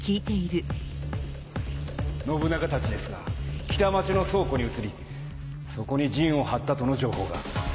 信長たちですが北町の倉庫に移りそこに陣を張ったとの情報が。